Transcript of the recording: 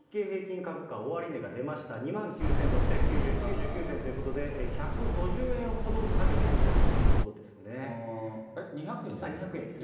株価終値が出ました、２万９６３９円９９銭ということで、１５０円ほど下げているとい２００円じゃなくて？